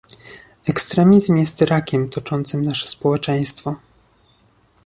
Ekstremizm jest rakiem toczącym nasze społeczeństwo